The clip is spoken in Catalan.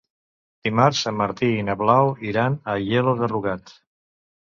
Dimarts en Martí i na Blau iran a Aielo de Rugat.